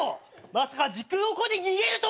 まさか時空を超えて逃げるとはな！